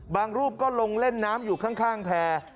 รูปก็ลงเล่นน้ำอยู่ข้างแพร่